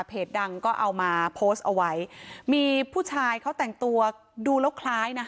ดังก็เอามาโพสต์เอาไว้มีผู้ชายเขาแต่งตัวดูแล้วคล้ายนะคะ